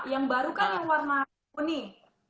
yang baru kan yang warna kuning